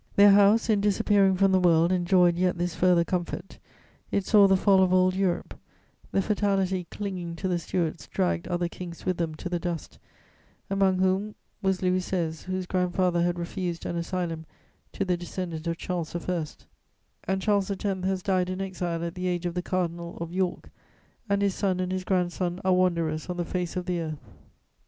Their House, in disappearing from the world, enjoyed yet this further comfort: it saw the fall of old Europe; the fatality clinging to the Stuarts dragged other kings with them to the dust, among whom was Louis XVI., whose grandfather had refused an asylum to the descendant of Charles I., and Charles X. has died in exile at the age of the Cardinal of York, and his son and his grandson are wanderers on the face of the earth!